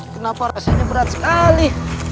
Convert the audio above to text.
kenapa rasanya berat sekali